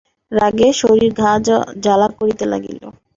রাগে শশীর গা জ্বালা করিতে লাগিল।